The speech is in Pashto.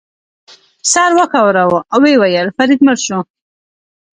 سر وښوراوه، ویې ویل: فرید مړ شو.